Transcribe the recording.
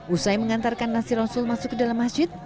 usai mengantarkan nasi rasul masuk ke dalam masjid